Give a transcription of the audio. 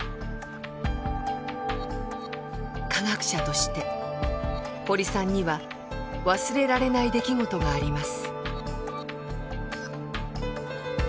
科学者として堀さんには忘れられない出来事があります。